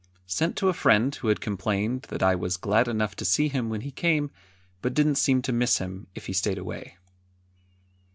[Sent to a friend who had complained that I was glad enough to see him when he came, but didn't seem to miss him if he stayed away.